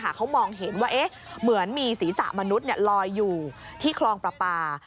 เขามองเห็นว่าเหมือนมีศีรษะมนุษย์ลอยอยู่ที่คลองประปา